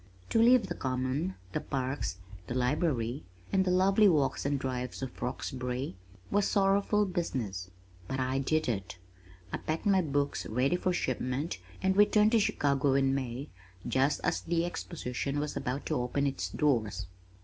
To leave the Common, the parks, the Library and the lovely walks and drives of Roxbury, was sorrowful business but I did it! I packed my books ready for shipment and returned to Chicago in May just as the Exposition was about to open its doors.